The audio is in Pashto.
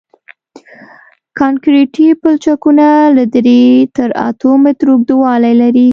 کانکریټي پلچکونه له درې تر اتو مترو اوږدوالی لري